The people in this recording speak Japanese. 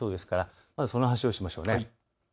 ですからその話をしましょう。